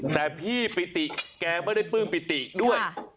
แต่พี่ปิติแกไม่ได้ปลื้มปิติด้วย